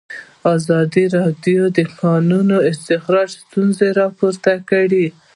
ازادي راډیو د د کانونو استخراج ستونزې راپور کړي.